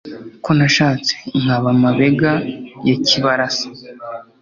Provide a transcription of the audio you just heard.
Ko nashatse nkaba Mabega ya Kibarasa